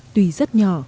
tùy rất nhỏ